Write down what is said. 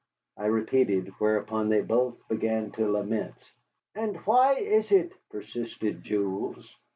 I repeated, whereupon they both began to lament. "And why is it?" persisted Jules.